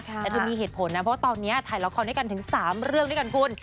แต่เธอมีเหตุผลนะเพราะว่าตอนนี้ถ่ายละครด้วยกันถึง๓เรื่องด้วยกันคุณ